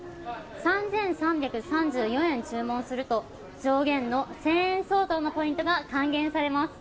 ３３３４円注文すると、上限の１０００円相当のポイントが還元されます。